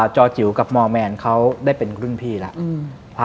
จอจิ๋วกับมอร์แมนเขาได้เป็นรุ่นพี่แล้ว